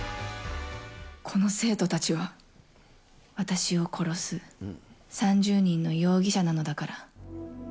この生徒たちは、私を殺す３０人の容疑者なのだから。